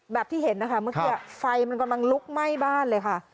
แบบที่เห็นนะคะเมื่อกี้ไฟมันกำลังลุกไหม้บ้านเลยค่ะ